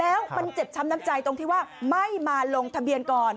แล้วมันเจ็บช้ำน้ำใจตรงที่ว่าไม่มาลงทะเบียนก่อน